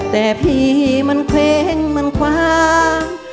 แต่พี่มันเคว้งมันคว้าง